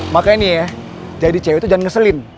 makanya nih ya jadi cewek tuh jangan ngeselin